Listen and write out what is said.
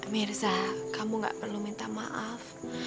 mirsa kamu gak perlu minta maaf